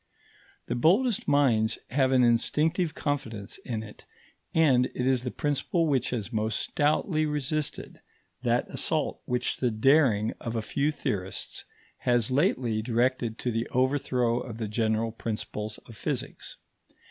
The boldest minds have an instinctive confidence in it, and it is the principle which has most stoutly resisted that assault which the daring of a few theorists has lately directed to the overthrow of the general principles of physics.